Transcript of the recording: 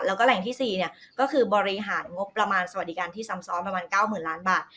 แล้วก็แหล่งที่๔ก็คือบริหารงบประมาณสวัสดิการที่ซ้ำซ้อนประมาณ๙๐๐ล้านบาท